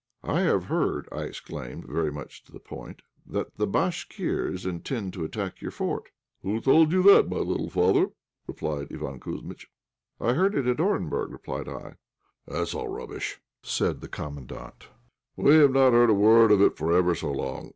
"I have heard," I exclaimed (very much to the point), "that the Bashkirs intend to attack your fort." "Who told you that, my little father?" replied Iván Kouzmitch. "I heard it said at Orenburg," replied I. "That's all rubbish," said the Commandant. "We have not heard a word of it for ever so long.